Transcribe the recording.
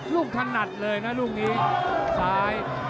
ถนัดเลยนะลูกนี้ซ้าย